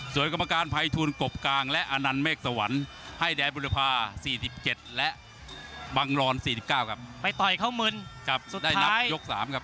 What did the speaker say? ต่อยข้าวมืนสุดท้ายได้นับยก๓ครับ